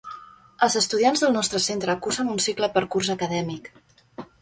Els estudiants del nostre centre cursen un cicle per curs acadèmic.